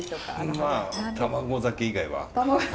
まあ卵酒以外は。